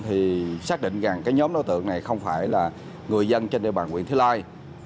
thì xác định rằng cái nhóm đối tượng này không phải là người dân trên địa bàn nguyễn thúy lai